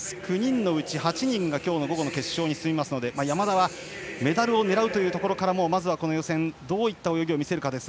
８人が今日の午後の決勝に進みますので山田はメダルを狙うというところからまずこの予選どういった泳ぎを見せるか。